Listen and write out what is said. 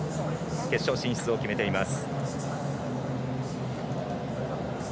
決勝進出を決めています。